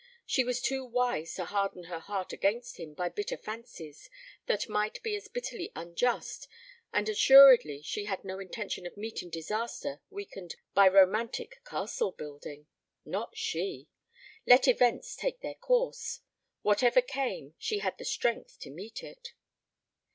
She was too wise to harden her heart against him by bitter fancies that might be as bitterly unjust, and assuredly she had no intention of meeting disaster weakened by romantic castle building. Not she. Let events take their course. Whatever came, she had the strength to meet it.